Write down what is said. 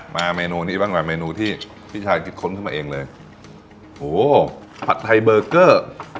เมนูนี้บ้างล่ะเมนูที่พี่ชายคิดค้นขึ้นมาเองเลยโหผัดไทยเบอร์เกอร์